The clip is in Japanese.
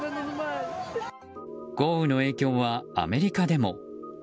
豪雨の影響はアメリカでも。